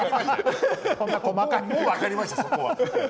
もう分かりました、そこは。